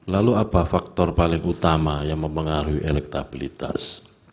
lalu apa faktor paling utama yang mempengaruhi elektabilitas